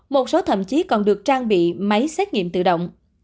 một số thậm chí còn được trang bị máy xét nghiệm tự động